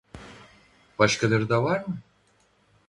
Başkaları da var mı?